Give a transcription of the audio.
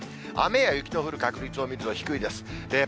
雨や雪の降る確率を見ると低いです。